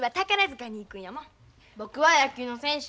僕は野球の選手。